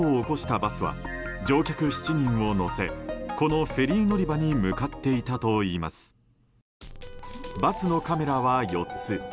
バスのカメラは４つ。